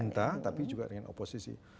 pemerintah tapi juga dengan oposisi